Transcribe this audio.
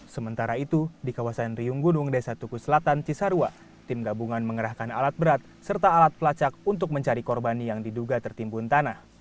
sementara itu di kawasan riung gunung desa tuku selatan cisarua tim gabungan mengerahkan alat berat serta alat pelacak untuk mencari korban yang diduga tertimbun tanah